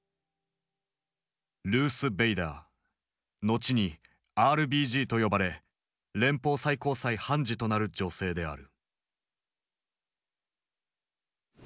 後に「ＲＢＧ」と呼ばれ連邦最高裁判事となる女性である。